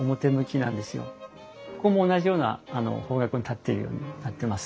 ここも同じような方角に建っているようになってます。